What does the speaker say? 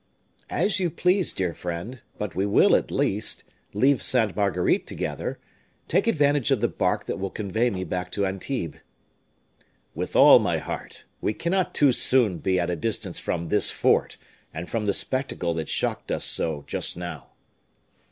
"As you please, dear friend; but we will, at least, leave Sainte Marguerite together; take advantage of the bark that will convey me back to Antibes." "With all my heart; we cannot too soon be at a distance from this fort, and from the spectacle that shocked us so just now."